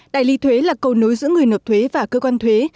đại lý thuế là cầu nối giữa người nộp thuế và cơ quan thuế